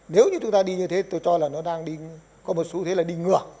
nếu như chúng ta đi như thế tôi cho là nó đang có một xu thế là đi ngược